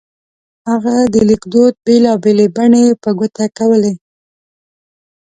هغه د لیکدود بېلا بېلې بڼې په ګوته کولې.